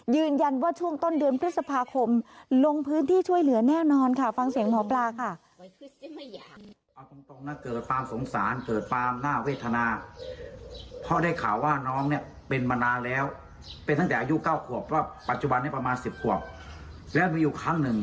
ยืนยันว่าช่วงต้นเดือนพฤษภาคมลงพื้นที่ช่วยเหลือแน่นอนค่ะฟังเสียงหมอปลาค่ะ